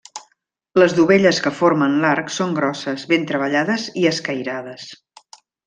Les dovelles que formen l'arc són grosses, ben treballades i escairades.